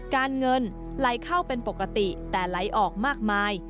การเงินไหลเข้าเป็นปกติแต่ไหลออกมากมาย